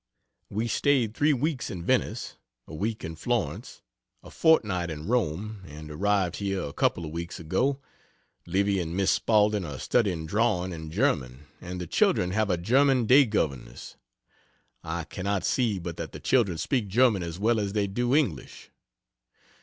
We staid three weeks in Venice, a week in Florence, a fortnight in Rome, and arrived here a couple of weeks ago. Livy and Miss Spaulding are studying drawing and German, and the children have a German day governess. I cannot see but that the children speak German as well as they do English.